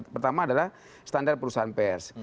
pertama adalah standar perusahaan pers